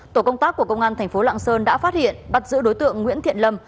tổ công tác của công an tp lạng sơn đã phát hiện bắt giữ đối tượng nguyễn thiện lâm